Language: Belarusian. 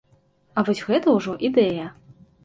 А вось гэта ўжо ідэя!